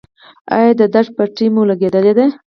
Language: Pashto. ایا د درد پټۍ مو لګولې ده؟